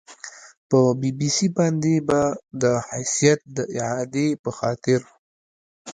په بي بي سي باندې به د حیثیت د اعادې په خاطر